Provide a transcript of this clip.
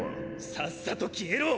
さっさと消えろ！